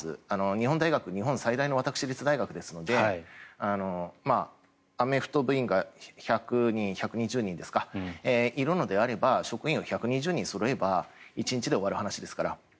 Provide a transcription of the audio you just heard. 日本大学は日本最大の私立大学ですのでアメフト部員が１２０人ですかいるのであれば職員が１２０人そろえば１日で終わる話ですから。